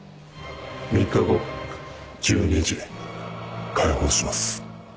３日後１２時解放します。